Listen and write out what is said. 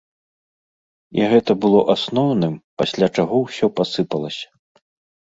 І гэта было асноўным, пасля чаго ўсё пасыпалася.